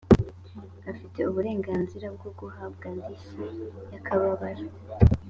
afite uburenganzira bwoguhabwa ndishyi y’ akababaro